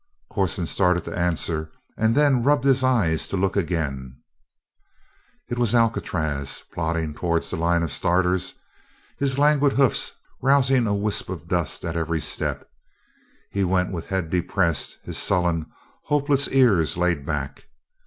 Corson started to answer and then rubbed his eyes to look again. It was Alcatraz plodding towards the line of starters, his languid hoofs rousing a wisp of dust at every step. He went with head depressed, his sullen; hopeless ears laid back.